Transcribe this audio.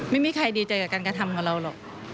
ไม่มีใครดีใจกับการกระทำกับเราหรอก